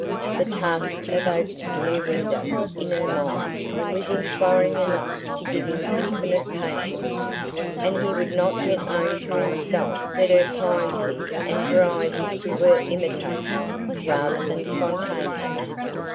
The task of opening new windows in her mind was inspiring enough to give him infinite patience; and he would not yet own to himself that her pliancy and variety were imitative rather than spontaneous.